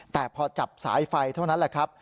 แต่พอจับสายไฟเท่านั้นแหละครับ